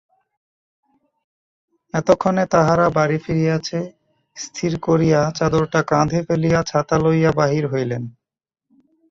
এতক্ষণে তাহারা বাড়ি ফিরিয়াছে স্থির করিয়া চাদরটা কাঁধে ফেলিয়া ছাতা লইয়া বাহির হইলেন।